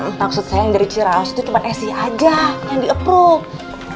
maksud saya yang dari ciraos itu cuma esy aja yang di approve